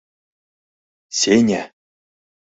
— Сеня!